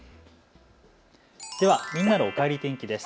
みんなのおかえり天気です。